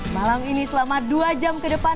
malam ini selama dua jam ke depan